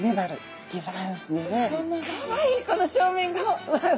かわいいこの正面顔！